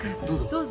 どうぞ。